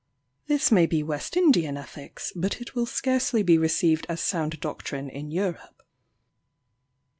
This may be West Indian ethics, but it will scarcely be received as sound doctrine in Europe.